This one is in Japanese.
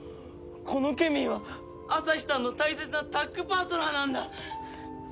このケミーは旭さんの大切なタッグパートナーなんだ！